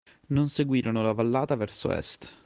Non seguirono la vallata verso est.